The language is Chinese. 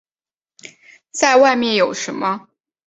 再外面有什么